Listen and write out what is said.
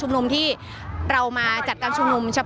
อย่างที่บอกไปว่าเรายังยึดในเรื่องของข้อ